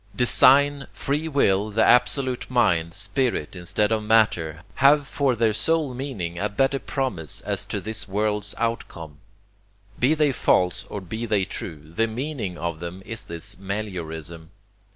Design, free will, the absolute mind, spirit instead of matter, have for their sole meaning a better promise as to this world's outcome. Be they false or be they true, the meaning of them is this meliorism.